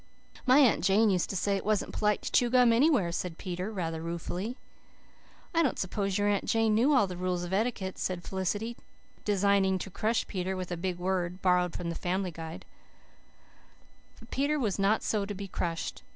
"My Aunt Jane used to say it wasn't polite to chew gum anywhere," said Peter rather ruefully. "I don't suppose your Aunt Jane knew all the rules of etiquette," said Felicity, designing to crush Peter with a big word, borrowed from the Family Guide. But Peter was not to be so crushed.